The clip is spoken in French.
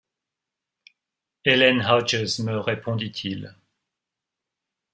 Ellen Hodges », me répondit-il.